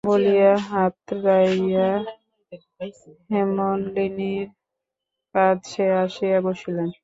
বলিয়া হাৎড়াইয়া হেমনলিনীর কাছে আসিয়া বসিলেন।